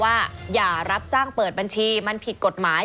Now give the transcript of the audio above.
ว่าอย่ารับจ้างเปิดบัญชีมันผิดกฎหมาย